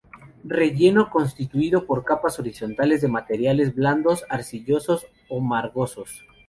Relleno constituido por capas horizontales de materiales blandos, arcillosos o margosos.